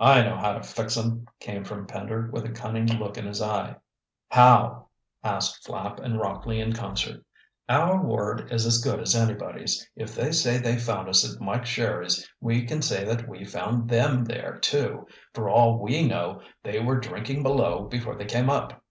"I know how to fix 'em," came from Pender, with a cunning look in his eye. "How?" asked Flapp and Rockley, in concert. "Our word is as good as anybody's. If they say they found us at Mike Sherry's we can say that we found them there, too. For all we know they were drinking below before they came up."